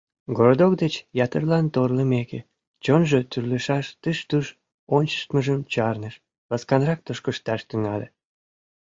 Городок деч ятырлан торлымеке, чонжо тӱрлышаш тыш-туш ончыштмыжым чарныш, ласканрак тошкышташ тӱҥале.